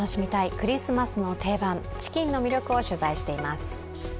クリスマスの定番チキンの魅力をお伝えしていきます。